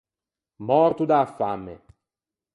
Mòrto da-a famme.